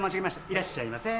いらっしゃいませ。